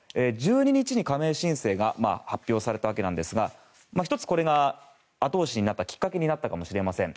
１２日に加盟申請が発表された訳ですが１つ、これが後押しになったきっかけになったかもしれません。